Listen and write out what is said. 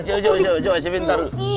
eh coba sebentar